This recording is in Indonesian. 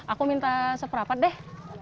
aku minta seprapat deh